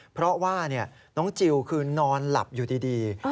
เพราะว่าน้องจิลคือนอนหลับอยู่ดี